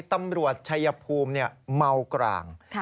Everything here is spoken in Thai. ตำรวจชัยภูมิเนี่ยเมากลาง